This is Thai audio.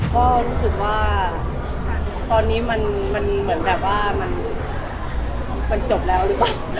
ก็รู้สึกว่าตอนนี้มันเหมือนแบบว่ามันจบแล้วหรือเปล่า